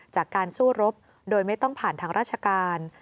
จากการสู้รบโดยไม่ต้องผ่านทางราชการ